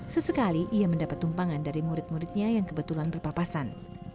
sesekali ia mendapat tumpangan dari murid muridnya yang kebetulan berpapasan